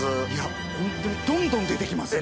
ホントにどんどん出てきますね。